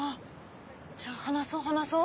じゃあ話そう話そう。